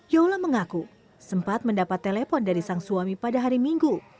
yola mengaku sempat mendapat telepon dari sang suami pada hari minggu